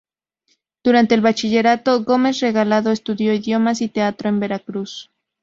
Durante el bachillerato, Gómez Regalado estudió idiomas y teatro en Veracruz.